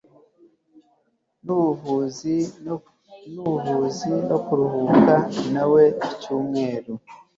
Nubuvuzi no kuruhuka nawe icyumweru